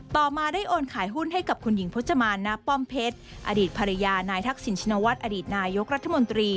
ต่อมาได้โอนขายหุ้นให้กับคุณหญิงพจมานณป้อมเพชรอดีตภรรยานายทักษิณชินวัฒน์อดีตนายกรัฐมนตรี